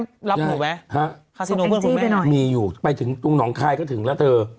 ส่งอังจิไปหน่อยมีอยู่ไปถึงตรงหนองคายก็ถึงแล้วเธอ